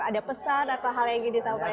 ada pesan atau hal yang gini sama ayah